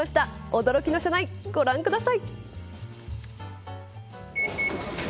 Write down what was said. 驚きの社内、ご覧ください。